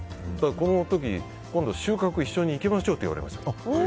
この時、今度、収穫一緒に行きましょうと言われました。